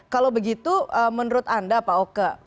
kalau begitu menurut anda pak oke